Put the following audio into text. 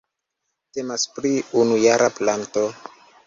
Temas pri unujara planto.